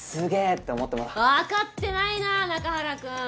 わかってないな中原くん。